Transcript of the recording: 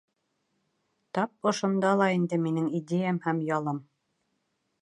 Тап ошонда ла инде минең идеям һәм ялым.